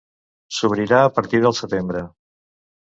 S'obrirà a partir del setembre.